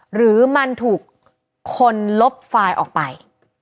หรือมันถูกคนลบไฟล์ออกไป